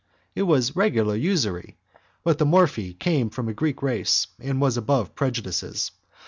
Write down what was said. It was regular usury, but the Morphi came from a Greek race, and was above prejudices.